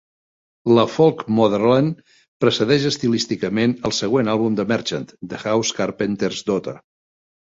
La folk "Motherland" precedeix estilísticament el següent àlbum de Merchant, "The House Carpenter's Daughter".